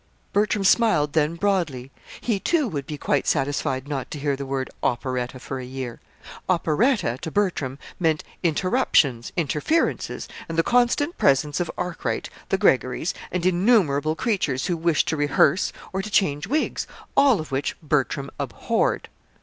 Bertram smiled, then, broadly. He, too, would be quite satisfied not to hear the word "operetta" for a year. Operetta, to Bertram, meant interruptions, interferences, and the constant presence of Arkwright, the Greggorys, and innumerable creatures who wished to rehearse or to change wigs all of which Bertram abhorred.